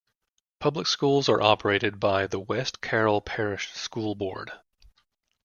Public schools are operated by the West Carroll Parish School Board.